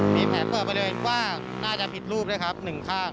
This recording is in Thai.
มีแผนเปิดไปเลยว่าน่าจะผิดรูปนะครับหนึ่งข้าง